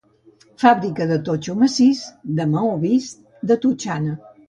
Fàbrica de totxo massís, de maó vist, de totxana.